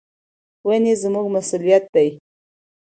ونې زموږ مسؤلیت دي.